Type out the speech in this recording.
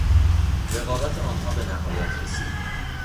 رقابت آنها به نهایت رسید.